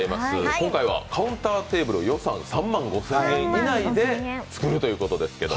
今回は、カウンターテーブルを予算３万５０００円以内で作るということですけど。